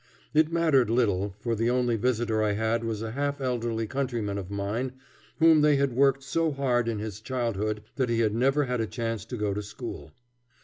It mattered little, for the only visitor I had was a half elderly countryman of mine whom they had worked so hard in his childhood that he had never had a chance to go to school.